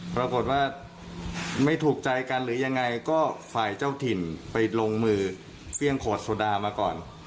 ปรากฏว่าไม่ถูกใจกันหรือยังไงก็ฝ่ายเจ้าถิ่นไปลงมือเปรี้ยงขวดโซดามาก่อน